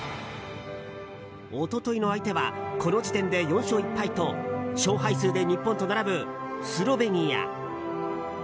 一昨日の相手はこの時点で４勝１敗と勝敗数で日本と並ぶスロベニア。